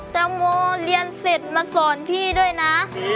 แตงโมเรียนเสร็จมาสอนพี่ด้วยนะ